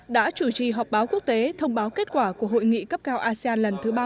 đã chủ trì họp báo quốc tế thông báo kết quả của hội nghị cấp cao asean lần thứ ba mươi